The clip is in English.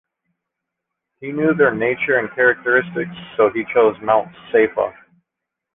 He knew their nature and characteristics, so he chose Mount Safa.